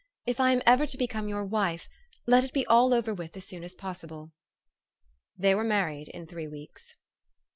If I am ever to become your wife, let it be all over with as soon as possible.*' They were married in three weeks.